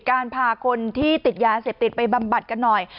การพาคนที่ติดยาเสพติดไปบำบัดกันหน่อย